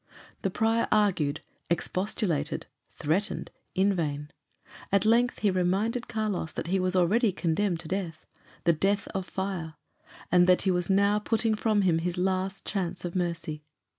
The prior argued, expostulated, threatened in vain. At length he reminded Carlos that he was already condemned to death the death of fire; and that he was now putting from him his last chance of mercy.